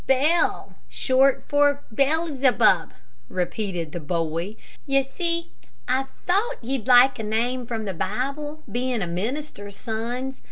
"Bell short for Bellzebub," repeated the boy. "Ye see, I thought ye'd like a name from the Bible, bein' a minister's sons.